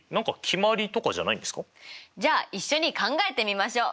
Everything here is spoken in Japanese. じゃあ一緒に考えてみましょう！